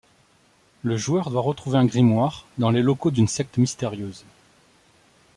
Le joueur doit retrouver un grimoire dans les locaux d'une secte mystérieuse.